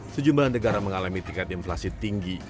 sejumlah negara mengalami tingkat inflasi tinggi